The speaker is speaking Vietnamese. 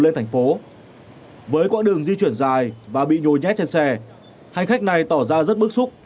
lên thành phố với quãng đường di chuyển dài và bị nhồi nhét trên xe hành khách này tỏ ra rất bức xúc